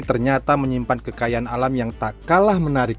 ternyata menyimpan kekayaan alam yang tak kalah menarik